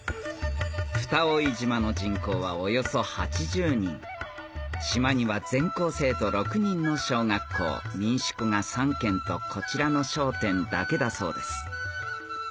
蓋井島の人口はおよそ８０人島には全校生徒６人の小学校民宿が３軒とこちらの商店だけだそうです